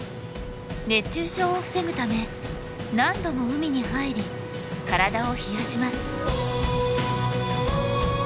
熱中症を防ぐため何度も海に入り体を冷やします。